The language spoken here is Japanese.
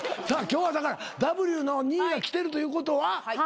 さあ今日はだからＷの２位が来てるということは？